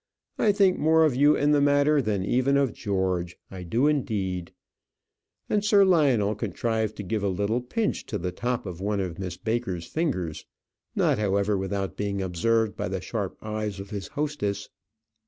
I think more of you in the matter than even of George; I do indeed." And Sir Lionel contrived to give a little pinch to the top of one of Miss Baker's fingers not, however, without being observed by the sharp eyes of his hostess.